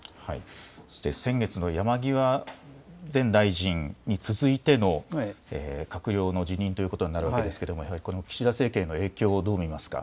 そして先月の山際前大臣に続いての閣僚の辞任ということになるわけですけども、岸田政権への影響、どう見ますか。